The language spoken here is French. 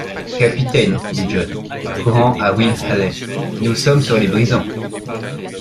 Capitaine, dit John, courant à Will Halley, nous sommes sur les brisants.